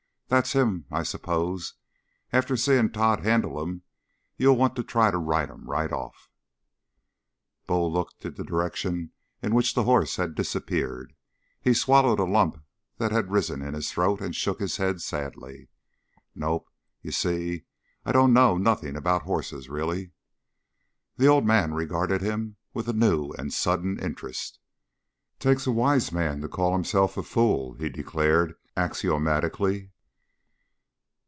"That's him. I s'pose after seeing Tod handle him, you'll want to try to ride him right off?" Bull looked in the direction in which the horse had disappeared. He swallowed a lump that had risen in his throat and shook his head sadly. "Nope. You see, I dunno nothing about horses, really." The old man regarded him with a new and sudden interest. "Takes a wise man to call himself a fool," he declared axiomatically.